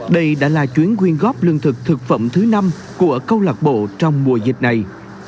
đây đã là chuyến quyên góp lương thực thực phẩm thứ năm của câu lạc bộ trong mùa dịch này